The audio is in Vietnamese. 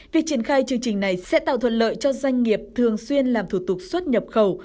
việc triển khai chương trình này sẽ tạo thuận lợi cho doanh nghiệp thường xuyên làm thủ tục xuất nhập khẩu